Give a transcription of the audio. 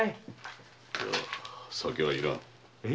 いや酒はいらん。